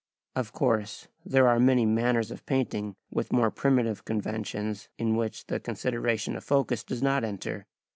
Of course there are many manners of painting with more primitive conventions in which the consideration of focus does not enter.